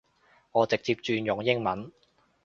我直接轉用英文